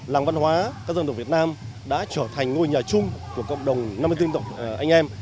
làng văn hóa các dân tộc việt nam đã trở thành ngôi nhà chung của cộng đồng năm mươi bốn tộc anh em